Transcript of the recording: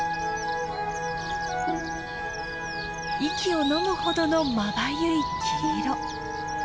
息をのむほどのまばゆい黄色。